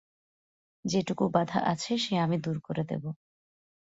যেটুকু বাধা আছে সে আমি দূর করে দেব।